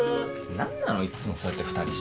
何なのいつもそうやって二人してさ。